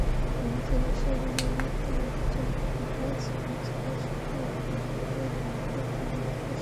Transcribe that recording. ভুল চিকিৎসায় রোগীর মৃত্যুর অভিযোগ তুলে সিলেটে বেসরকারি একটি হাসপাতালে ভাঙচুর চালিয়েছেন স্বজনেরা।